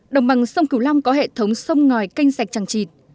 đồng bằng sông kiểu long có hệ thống sông ngòi canh sạch trắng trịt